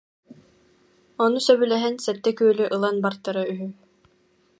Ону сөбүлэһэн сэттэ күөлү ылан бартара үһү